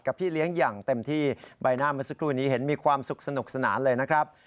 พี่เลี้ยงอย่างเต็มที่ใบหน้าเมื่อสักครู่นี้เห็นมีความสุขสนุกสนานเลยนะครับ